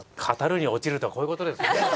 語るに落ちるとはこういうことですね。